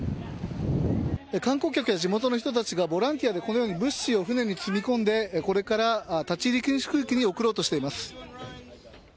観光客や地元の人たちがボランティアでこのように物資を船に積み込んでこれから立ち入り禁止区域に送ろうとしています。